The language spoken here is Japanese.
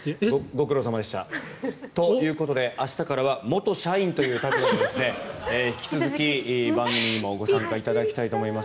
ご苦労様でした。ということで、明日からは元社員という立場で引き続き番組にもご参加いただきたいと思います。